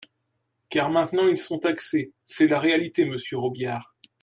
Car maintenant ils sont taxés, c’est la réalité, monsieur Robiliard.